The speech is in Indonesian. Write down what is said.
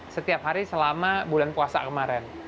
setiap hari selama bulan puasa kemarin